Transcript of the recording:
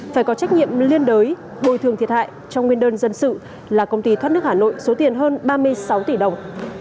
phải có trách nhiệm liên đới bồi thường thiệt hại cho nguyên đơn dân sự là công ty thoát nước hà nội số tiền hơn ba mươi sáu tỷ đồng